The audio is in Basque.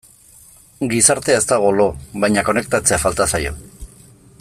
Gizartea ez dago lo, baina konektatzea falta zaio.